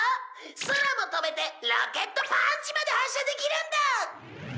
「空も飛べてロケットパンチまで発射できるんだ！」